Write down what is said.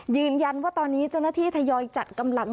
ยืนยันว่าตอนนี้เจ้าหน้าที่ทยอยจัดกำลัง